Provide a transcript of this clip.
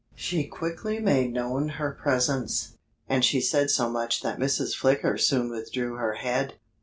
She quickly made known her presence. And she said so much that Mrs. Flicker soon withdrew her head.